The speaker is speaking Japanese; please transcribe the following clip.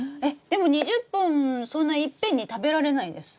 でも２０本そんないっぺんに食べられないです。